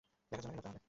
দেখা যায় না কেন তাহলে?